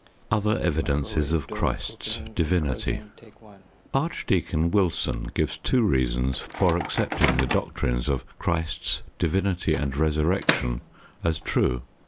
OTHER EVIDENCES OF CHRIST'S DIVINITY Archdeacon Wilson gives two reasons for accepting the doctrines of Christ's divinity and Resurrection as true.